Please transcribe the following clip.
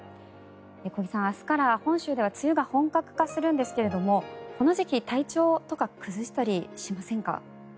小木さん、明日から本州では梅雨が本格化するんですがこの時期体調とか崩したりしませんか？